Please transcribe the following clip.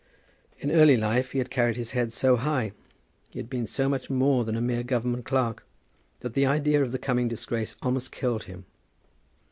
In early life he had carried his head so high, he had been so much more than a mere Government clerk, that the idea of the coming disgrace almost killed him.